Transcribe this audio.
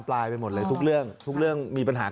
แต่ว่ามันฟิลขาด